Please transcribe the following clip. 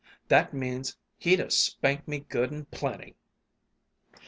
_' That means he'd have spanked me good and plenty."